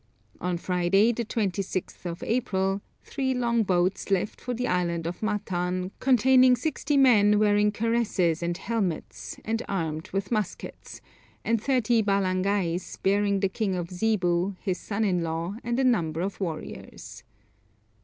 On Friday, the 26th of April, three long boats left for the Island of Matan containing sixty men wearing cuirasses and helmets, and armed with muskets; and thirty balangais bearing the king of Zebu, his son in law, and a number of warriors.